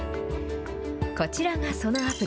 こちらがそのアプリ。